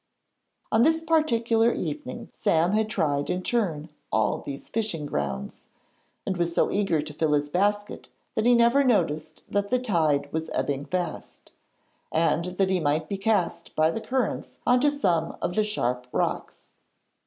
On this particular evening Sam had tried in turn all these fishing grounds, and was so eager to fill his basket that he never noticed that the tide was ebbing fast, and that he might be cast by the currents on to some of the sharp rocks.